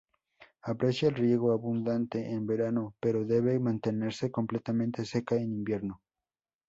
Aprecia el riego abundante en verano, pero debe mantenerse completamente seca en invierno.